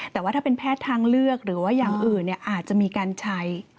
แต่ว่าถ้าเป็นแพทย์ทางเลือกหรือว่าอย่างอื่นอาจจะมีการใช้